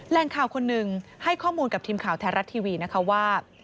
แรงข่าวคนหนึ่งให้ข้อมูลกับทีมข่าวแท้รัฐทีวีนะคะว่า